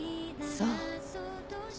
そう。